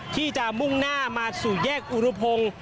ที่จะมุ่งหน้ามาสู่แยกอุรุพงศ์